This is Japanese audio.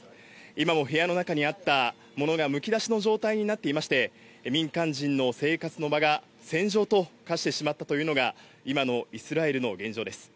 今も部屋の中にあったものがむき出しの状態になっていまして、民間人の生活の場が戦場と化してしまったというのが、今のイスラエルの現状です。